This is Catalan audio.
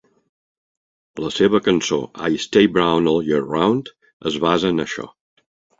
La seva cançó "I Stay Brown All Year Round" es basa en això.